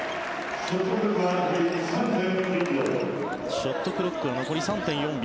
ショットクロックは残り３．４秒。